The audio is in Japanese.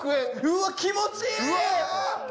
うわ気持ちいい！